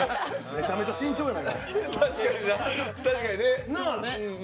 めちゃめちゃ慎重やな。